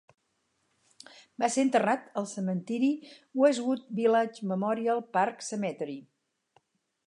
Va ser enterrat al cementiri Westwood Village Memorial Park Cemetery.